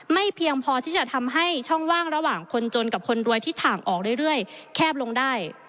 เพียงพอที่จะทำให้ช่องว่างระหว่างคนจนกับคนรวยที่ถ่างออกเรื่อยแคบลงได้